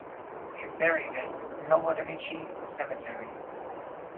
He is buried at Novodevichy Cemetery.